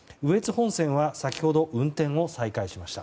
本線は先ほど運転を再開しました。